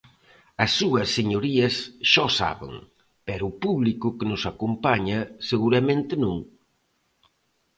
As súas señorías xa o saben, pero o público que nos acompaña seguramente non.